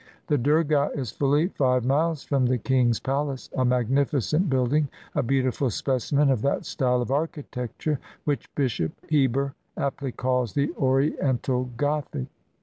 The Durgah is fully five miles from the king's palace — a magnificent building, a beautiful specimen of that style of architecture which Bishop Heber aptly calls the Oriental Gothic.